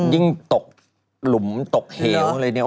ยิ่งตกหลุมตกเหลวอะไรอย่างนี้